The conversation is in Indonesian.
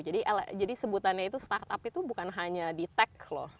jadi sebutannya itu startup itu bukan hanya di tech loh